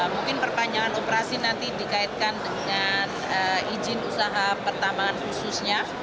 mungkin perpanjangan operasi nanti dikaitkan dengan izin usaha pertambangan khususnya